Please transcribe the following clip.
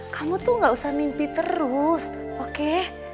kamu tuh gak usah mimpi terus oke